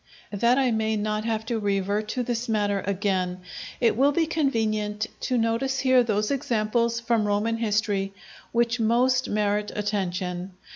That I may not have to revert to this matter again, it will be convenient to notice here those examples from Roman history which most merit attention.